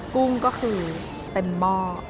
กุ้งก็คือเต็มหม้อ